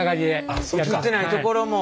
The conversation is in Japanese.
あっ映ってないところも。